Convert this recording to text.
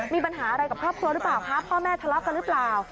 มีปัญหาอะไรกับครอบครัวหรือเปล่าคะพ่อแม่ทะเลาะกันหรือเปล่า